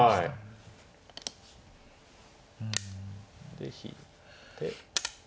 で引いて。